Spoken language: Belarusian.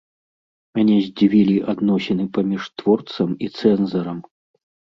Мяне здзівілі адносіны паміж творцам і цэнзарам.